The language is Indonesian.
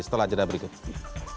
setelah cerita berikutnya